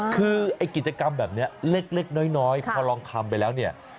คือกิจกรรมแบบนี้เล็กน้อยเขาลองทำไปแล้ว